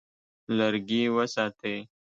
لرګي وساتئ.